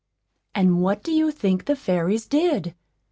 And what do you think the fairies did?